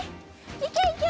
いけいけ！